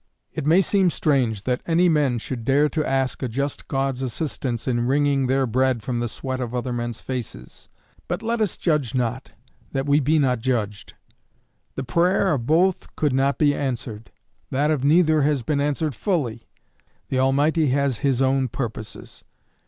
It may seem strange that any men should dare to ask a just God's assistance in wringing their bread from the sweat of other men's faces; but let us judge not, that we be not judged. The prayer of both could not be answered. That of neither has been answered fully. The Almighty has his own purposes.